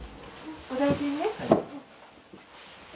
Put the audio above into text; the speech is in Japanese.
お大事にね。